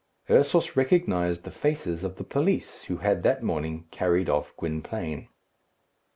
Ursus recognized the faces of the police who had that morning carried off Gwynplaine.